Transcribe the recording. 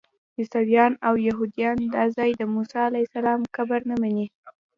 عیسویان او یهودیان دا ځای د موسی علیه السلام قبر نه مني.